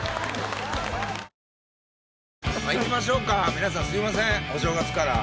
皆さんすいませんお正月から。